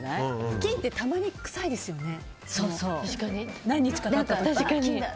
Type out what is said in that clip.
ふきんってたまに臭いですよね。